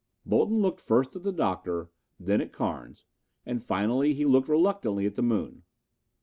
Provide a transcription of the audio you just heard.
Bolton looked first at the Doctor, then at Carnes, and finally he looked reluctantly at the moon.